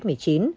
đứng thứ ba